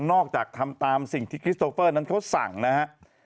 ทำตามสิ่งที่คริสโตเฟอร์นั้นเขาสั่งนะฮะ